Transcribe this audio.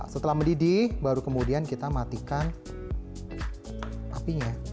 setelah mendidih baru kemudian kita matikan apinya